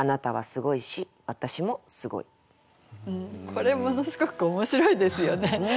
これものすごく面白いですよね。